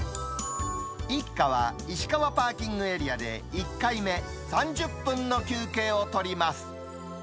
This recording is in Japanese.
一家は石川パーキングエリアで１回目３０分の休憩を取ります。